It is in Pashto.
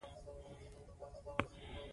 د کانونو استخراج عاید لري.